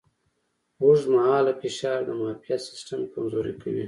اوږدمهاله فشار د معافیت سیستم کمزوری کوي.